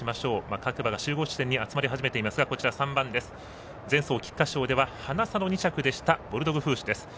各馬が集合地点に集まり始めていますが３番、前走、菊花賞ではハナ差の２着でしたボルドグフーシュです。